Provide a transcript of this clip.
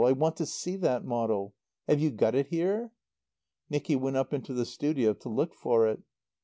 I want to see that model. Have you got it here?" Nicky went up into the studio to look for it.